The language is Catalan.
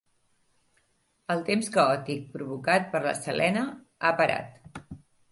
El temps caòtic provocat per la Selena ha parat.